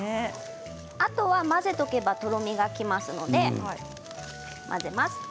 あとは混ぜていけばとろみがきますので混ぜます。